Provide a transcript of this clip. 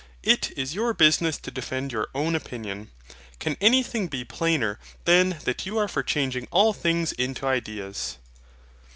It is your business to defend your own opinion. Can anything be plainer than that you are for changing all things into ideas?